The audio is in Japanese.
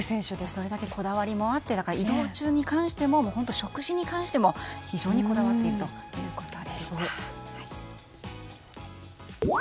それだけこだわりもあって移動中の食事に関しても非常にこだわっているということでした。